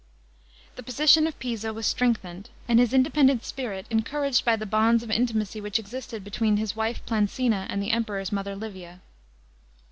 The position of Piso was strengthened, an>i his independent spirit encouraged by the bonds of intimacy which existed between his wife Plancina and the Emperor's mother Livia.